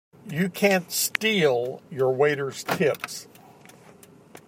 You can't steal your waiters' tips!